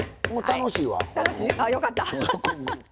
楽しい？あっよかった。